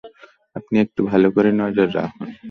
আপনি একটু ভালো করে নজর রাখুন।